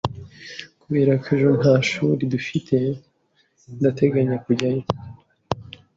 Kubera ko ejo nta shuri dufite, ndateganya kujyayo.